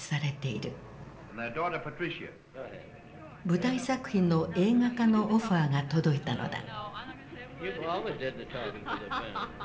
舞台作品の映画化のオファーが届いたのだ。